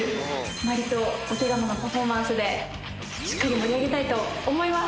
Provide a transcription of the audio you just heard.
まりとお手玉のパフォーマンスで、しっかり盛り上げたいと思います。